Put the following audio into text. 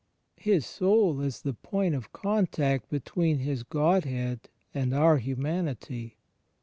His Soul is the point of contact between His Godhead and our hmnanity